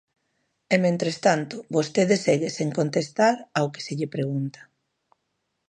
E, mentres tanto, vostede segue sen contestar ao que se lle pregunta.